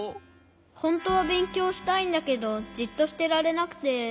ほんとはべんきょうしたいんだけどじっとしてられなくて。